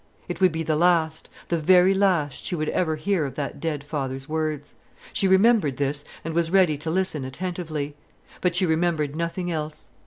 It would be the last, the very last, she would ever hear of that dear father's words. She remembered this, and was ready to listen attentively; but she remembered nothing else.